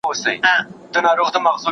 موږ پخپله یو له حل څخه بېزاره